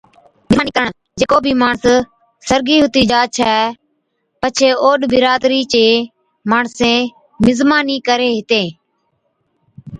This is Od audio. مزمانِي ڪرڻ، جي ڪو بِي ماڻس سرگِي ھُتِي جا ڇَي پڇي اوڏ برادرِي چين ماڻسين مزمانِي ڪري ھِتين